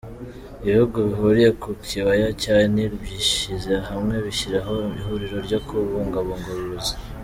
Ibihugu bihuriye ku kibaya cya Nil byishyize hamwe bishyiraho Ihuriro ryo Kubungabunga uru ruzi.